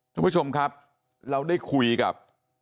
คุณผู้ชมครับเราได้คุยกับ